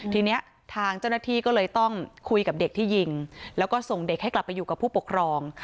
ทีนี้ทางเจ้าหน้าที่ก็เลยต้องคุยกับเด็กที่ยิงแล้วก็ส่งเด็กให้กลับไปอยู่กับผู้ปกครอง